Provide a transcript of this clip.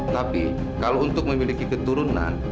tapi kalau untuk memiliki keturunan